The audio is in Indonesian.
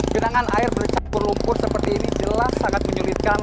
genangan air bercampur lumpur seperti ini jelas sangat menyulitkan